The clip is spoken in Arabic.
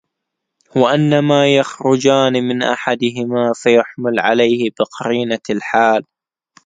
وَإِنَّمَا يَخْرُجَانِ مِنْ أَحَدِهِمَا فَيُحْمَلُ عَلَيْهِ بِقَرِينَةِ الْحَالِ